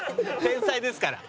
天才ですから。